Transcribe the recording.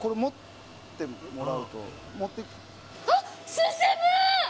進む！